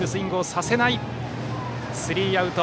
スリーアウト。